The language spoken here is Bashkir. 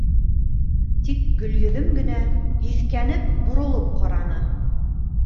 Тик Гөлйөҙөм генә һиҫкәнеп боролоп ҡараны.